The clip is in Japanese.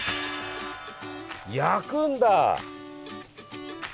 焼くんだ！